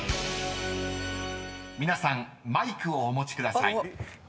［皆さんマイクをお持ちください］